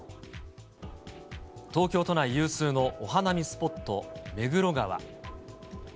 東京都内有数のお花見スポット、目黒川。